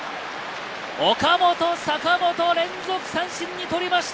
岡本、坂本、連続三振に取りました。